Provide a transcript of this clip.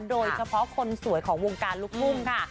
โดยเฉพาะคนสวยของวงการลูกทุ่งค่ะ